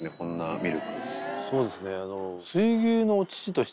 そうですね。